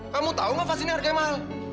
kamu tahu gak fas ini harganya mahal